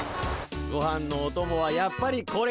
ごはんのおともはやっぱりこれにかぎるで。